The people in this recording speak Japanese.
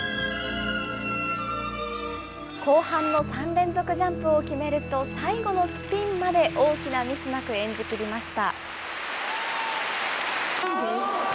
後半の３連続ジャンプを決めると、最後のスピンまで大きなミスなく演じきりました。